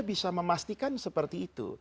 bisa memastikan seperti itu